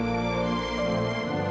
kenapa kamu tidur di sini sayang